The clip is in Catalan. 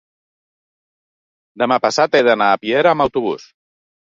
demà passat he d'anar a Piera amb autobús.